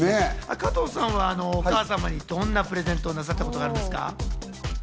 加藤さんはお母様にどんなプレゼントをなさったことがあるんですか？